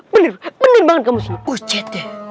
bener bener banget kamu sih